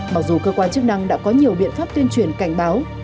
mặc dù cơ quan chức năng đã có nhiều biện pháp tuyên truyền cảnh báo